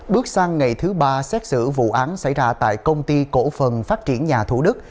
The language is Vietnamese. bước sang ngày thứ ba xét xử vụ án xảy ra tại công ty cổ phần phát triển nhà thủ đức